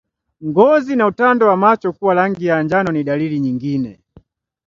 Ngozi na utando wa macho kuwa rangi ya njano ni dalili nyingine